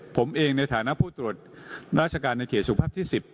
ผมเองในฐานะผู้ตรวจราชการในเขตสุภาพที่๑๐